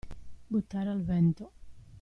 Buttare al vento.